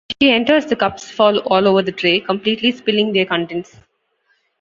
As she enters, the cups fall all over the tray, completely spilling their contents.